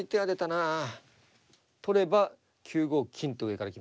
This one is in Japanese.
取れば９五金と上から行きますね。